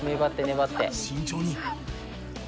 慎重に。